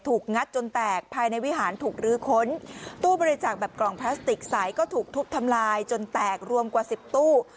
งัดจนแตกภายในวิหารถูกลื้อค้นตู้บริจาคแบบกล่องพลาสติกใสก็ถูกทุบทำลายจนแตกรวมกว่าสิบตู้